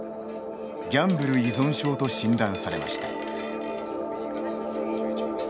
ギャンブル依存症と診断されました。